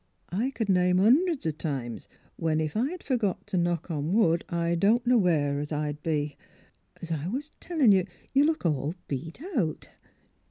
I c'd name hunderds o' times when if I'd f ergot t' knock on wood I don't know where I'd 'a be'n. As I was tellin' you, you look all beat out."